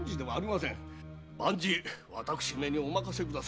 万事私めにお任せくだされ。